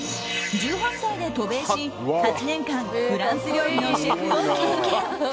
１８歳で渡米し、８年間フランス料理のシェフを経験。